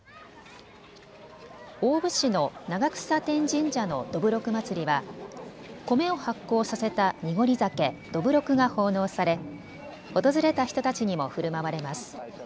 大府市の長草天神社のどぶろくまつりは米を発酵させた濁り酒、どぶろくが奉納され訪れた人たちにもふるまわれます。